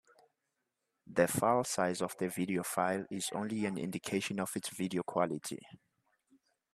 The filesize of a video file is only an indication of its video quality.